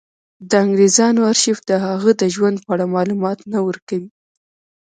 د انګرېزانو ارشیف د هغه د ژوند په اړه معلومات نه ورکوي.